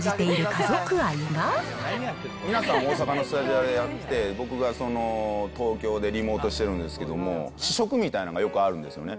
皆さん、大阪のスタジオでやって、僕がその東京でリモートしてるんですけども、試食みたいなのがよくあるんですよね。